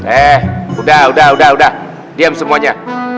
eh udah udah udah udah diam semuanya